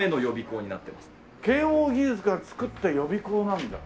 慶應義塾が作った予備校なんだ。